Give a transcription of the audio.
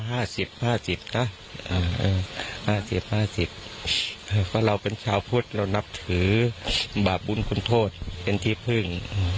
เพราะเราเป็นชาวพุทธเรานับถือบาปบุญคุณโทษเป็นที่พึ่ง